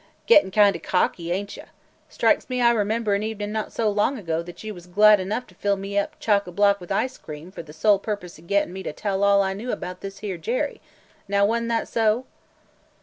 "Gettin' kind o' cocky, ain't you! Strikes me I remember an evenin' not so long ago that you was glad enough to fill me up chock a block with ice cream for the sole purpose o' gettin' me to tell all I knew about this here Jerry, now wa 'n't that so?"